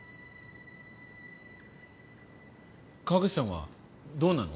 影さんはどうなの？